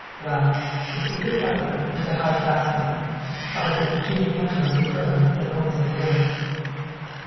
"Well, if he's a peddler he's a high class one probably the junior member of the firm that owns the works."